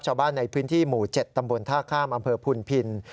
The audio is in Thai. ชาวบ้านในพื้นที่หมู่๗ตำบลท่าข้ามอำเภอพุนพิน